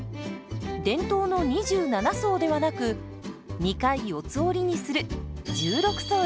伝統の２７層ではなく２回四つ折りにする１６層です。